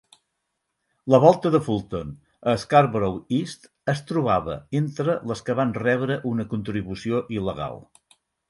La volta de Fulton a Scarborough East es trobava entre les que van rebre una contribució il·legal.